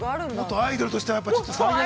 ◆元アイドルとしてはちょっと。